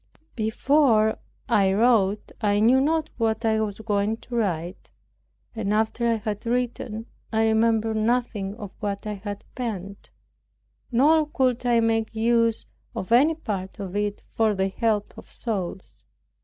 Before I wrote I knew not what I was going to write. And after I had written, I remembered nothing of what I had penned; nor could I make use of any part of it for the help of souls.